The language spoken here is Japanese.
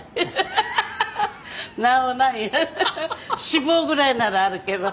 脂肪ぐらいならあるけど。